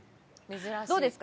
どうですか？